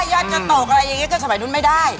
ยอดจะตกอะไรอย่างนี้ก็สมัยนู้นไม่ได้